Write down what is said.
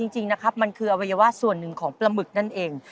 จริงนะครับมันคืออวัยวะส่วนหนึ่งของปลาหมึกนั่นเอง